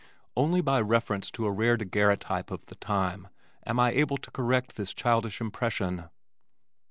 Only by reference to a rare daguerreotype of the time am I able to correct this childish impression.